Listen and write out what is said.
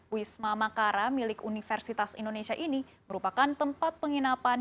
wisma makara milik universitas indonesia ini merupakan tempat penginapan